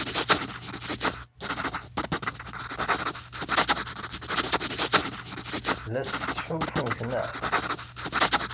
La as-tettḥulfumt, naɣ?